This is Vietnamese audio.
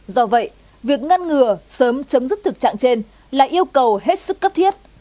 do vậy việc ngăn ngừa sớm chấm dứt thực trạng trên là yêu cầu hết sức cấp thiết